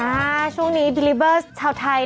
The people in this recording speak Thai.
ช่วงนี้บิลิเบอร์ชาวไทย